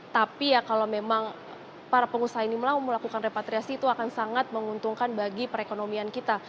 tapi ya kalau memang para pengusaha ini mau melakukan repatriasi itu akan sangat menguntungkan bagi perekonomian kita